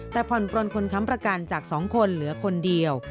แต่ผ่อนปลนคนค้ำประกันจาก๒คนเหลือคนเดียว